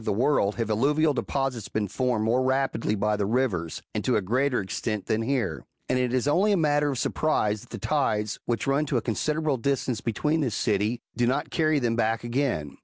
[Book VL the world have alluvial deposits been formed more rapidly by the rivers, and to a greater extent than here ; and it is only a matter of surprise that the tides, which run to a considerable distance beyond this city, do not carry them back again.